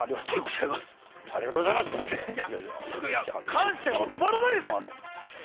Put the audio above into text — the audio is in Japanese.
感謝が止まらないですね。